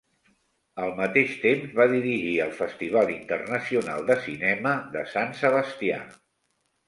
Al mateix temps, va dirigir el Festival Internacional de Cinema de Sant Sebastià.